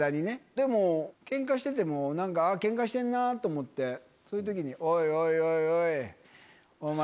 でもケンカしててもケンカしてるなと思ってそういうときに「おいおいおいおい」。